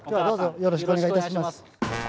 よろしくお願いします。